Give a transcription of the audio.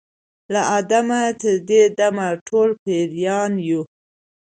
له آدمه تر دې دمه ټول پیران یو